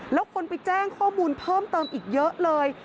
แล้วคนไปแจ้งข้อมูลเพิ่มเติมอีกเยอะเลย